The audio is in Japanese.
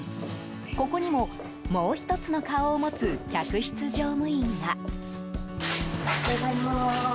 ここにも、もう１つの顔を持つ客室乗務員が。